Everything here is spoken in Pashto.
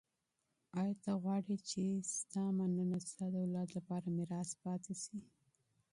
ایا ته غواړې چي ستا مننه ستا د اولاد لپاره میراث پاته سي؟